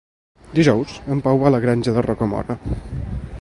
Dijous en Pau va a la Granja de Rocamora.